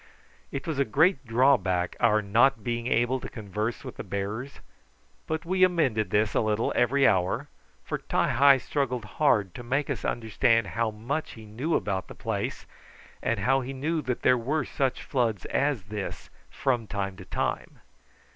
It was a great drawback our not being able to converse with the bearers, but we amended this a little every hour, for Ti hi struggled hard to make us understand how much he knew about the place and how he knew that there were such floods as this from time to time.